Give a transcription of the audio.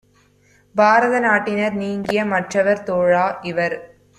பாரத நாட்டினர் நீங்கிய மற்றவர் தோழா - இவர்